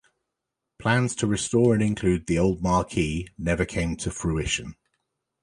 Plans to restore and include the old marquee never came to fruition.